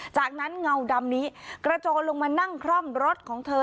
จากนั้นเงาดำนี้กระโจนลงมานั่งคร่อมรถของเธอ